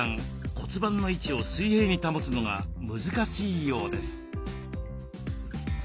骨盤の位置を水平に保つのが難しいようです。